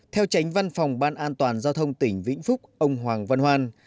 theo tránh văn phòng ban an toàn giao thông tỉnh vĩnh phúc ông hoàng văn hoan